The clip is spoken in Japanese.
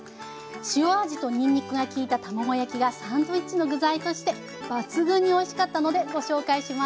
塩味とにんにくがきいた卵焼きがサンドイッチの具材として抜群においしかったのでご紹介します。